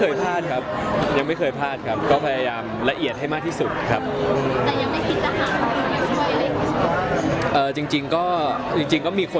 อยากมีปัญหากังอะไรอย่างไร